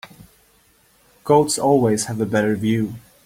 Goats always have a better view.